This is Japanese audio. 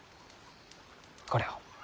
これを。